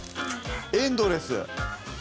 エンドレス。